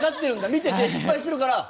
見てて失敗してるから。